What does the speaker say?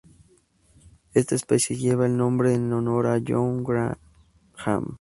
Esta especie lleva el nombre en honor a John Graham.